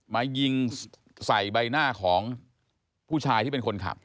มายิงใส่ใบหน้าของผู้ชายที่เป็นคนขับ